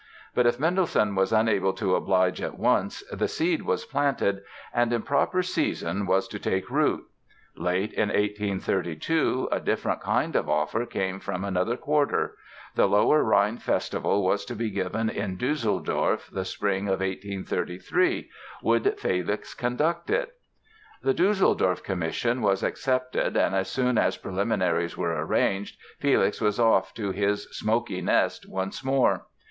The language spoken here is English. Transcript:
But if Mendelssohn was unable to oblige at once, the seed was planted and, in proper season, was to take root. Late in 1832 a different kind of offer came from another quarter. The Lower Rhine Festival was to be given in Düsseldorf the spring of 1833. Would Felix conduct it? The Düsseldorf commission was accepted and as soon as preliminaries were arranged Felix was off to his "smoky nest" once more.